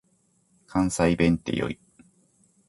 関西弁って良い。